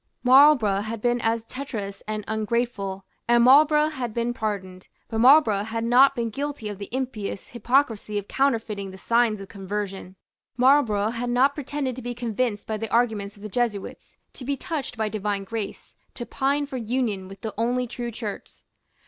Marlborough had been as treacherous and ungrateful; and Marlborough had been pardoned. But Marlborough had not been guilty of the impious hypocrisy of counterfeiting the signs of conversion. Marlborough had not pretended to be convinced by the arguments of the Jesuits, to be touched by divine grace, to pine for union with the only true Church.